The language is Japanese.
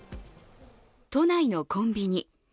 都内のコンビニ。